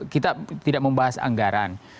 kita tidak membahas anggaran